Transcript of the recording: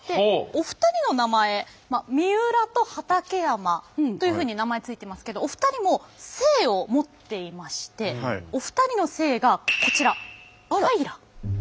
お二人の名前三浦と畠山というふうに名前付いていますけどお二人も姓を持っていましてお二人の姓がこちら平。